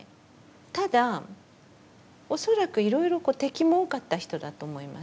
ただ恐らくいろいろ敵も多かった人だと思います。